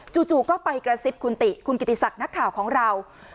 จู่ก็ไปกระซิบคุณติคุณกิติศักดิ์นักข่าวของเรา